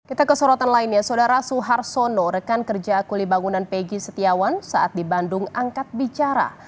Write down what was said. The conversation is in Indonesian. kita ke sorotan lainnya saudara suhar sono rekan kerja kulibangunan pegi setiawan saat di bandung angkat bicara